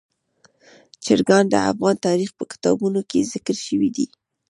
چرګان د افغان تاریخ په کتابونو کې ذکر شوي دي.